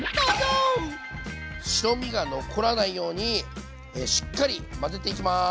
白身が残らないようにしっかり混ぜていきます。